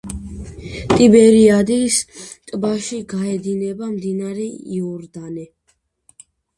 ტიბერიადის ტბაში გაედინება მდინარე იორდანე.